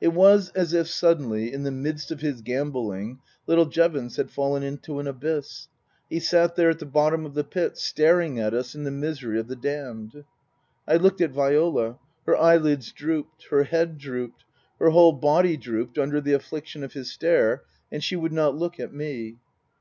It was as if suddenly, in the midst of his gambolling, little Jevons had fallen into an abyss. He sat there, at the bottom of the pit, staring at us in the misery of the damned. I looked at Viola. Her eyelids drooped ; her head drooped. Her whole body drooped under the affliction of his stare, and she would not look at me.